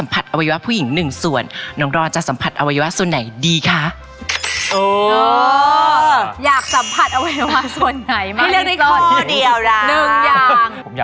ไปฟังสิมาเลยครับ